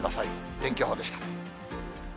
天気予報でした。